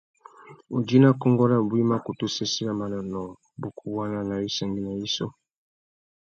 Udjï nà kônkô rabú i mà kutu sésséya manônōh, wubukuwana na wissangüena yissú.